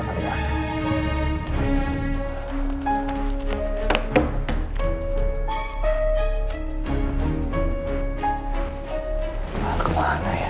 gue telepon aja kali ya